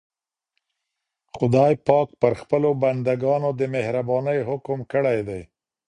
خدای پاک پر خپلو بندګانو د مهربانۍ حکم کړی دی.